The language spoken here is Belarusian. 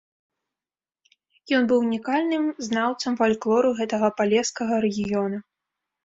Ён быў унікальным знаўцам фальклору гэтага палескага рэгіёна.